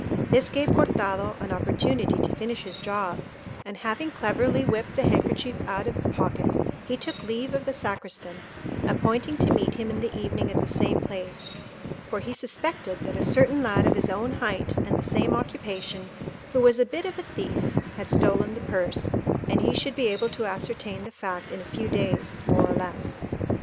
This gave Cortado an opportunity to finish his job, and having cleverly whipped the handkerchief out of the pocket, he took leave of the Sacristan, appointing to meet him in the evening at the same place, for he suspected that a certain lad of his own height and the same occupation, who was a bit of a thief, had stolen the purse, and he should be able to ascertain the fact in a few days, more or less.